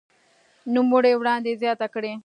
نوموړي وړاندې زياته کړې